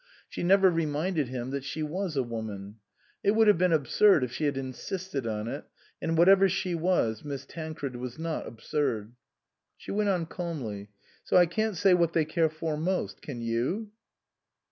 She never reminded him that she was a woman. It would have been absurd if she had insisted on it, and whatever she was Miss Tancred was not absurd. She went on calmly, "So I can't say what they care for most ; can you